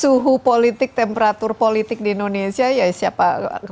suhu politik temperatur politik di indonesia ya siapa